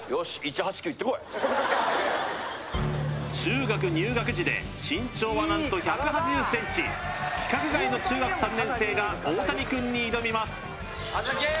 中学入学時で身長は何と１８０ｃｍ規格外の中学３年生がオオタニくんに挑みます朝来ー！